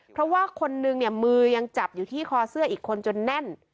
เพราะว่าคนนึงเนี่ยมือยังจับอยู่ที่คอเสื้ออีกคนจนแน่น